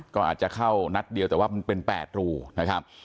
ก็อาจจะเข้านัดเดียวแต่ว่ามันเป็น๘รูนะครับ